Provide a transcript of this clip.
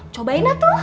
cobain lah tuh